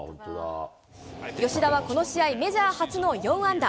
吉田はこの試合、メジャー初の４安打。